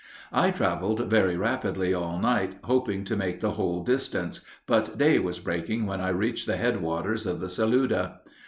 I traveled very rapidly all night, hoping to make the whole distance, but day was breaking when I reached the head waters of the Saluda.